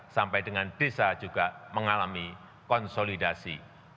sampai dengan desa juga mengalami konsolidasi